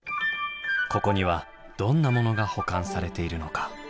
ここにはどんなものが保管されているのか？